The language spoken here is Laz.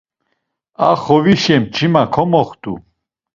A xovişe mç̌ima komoxt̆u.